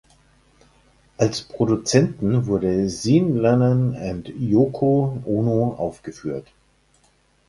Als Produzenten wurden Sean Lennon und Yoko Ono aufgeführt.